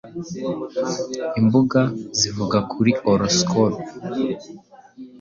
imbuga zivuga kuri horoscope.